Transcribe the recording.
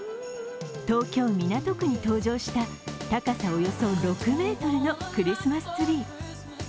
東京・港区に登場した高さおよそ６ｍのクリスマスツリー。